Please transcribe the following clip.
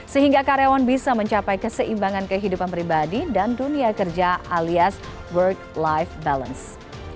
sehingga karyawan bisa mencapai keseimbangan kehidupan pribadi dan dunia kerja alias work life balance